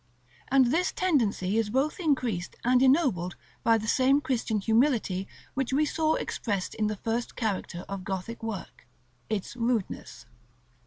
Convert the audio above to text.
And this tendency is both increased and ennobled by the same Christian humility which we saw expressed in the first character of Gothic work, its rudeness.